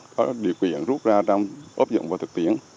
có điều kiện rút ra trong áp dụng và thực tiễn